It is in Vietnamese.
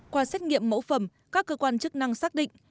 qua xét nghiệm mẫu phẩm các cơ quan chức năng xác định